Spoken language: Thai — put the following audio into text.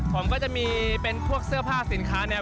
ผมก็จะมีเป็นพวกเสื้อผ้าสินค้าเนี่ย